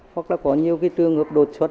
hoặc là có nhiều cái trường hợp đột xuất